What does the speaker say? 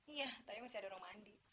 iya tapi masih ada rumah mandi